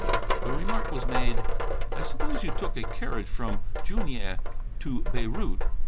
The remark was made, "I suppose you took a carriage from Junieh to Beirut."